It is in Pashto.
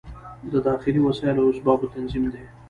دا د داخلي وسایلو او اسبابو تنظیم دی.